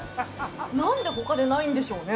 なんで、ほかでないんでしょうね。